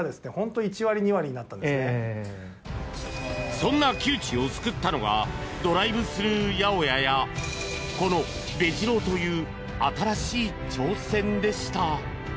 そんな窮地を救ったのがドライブスルー八百屋やこのベジ郎という新しい挑戦でした。